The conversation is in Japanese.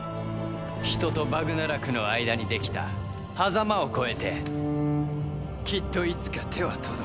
人とバグナラクの間にできた狭間を超えてきっといつか手は届く。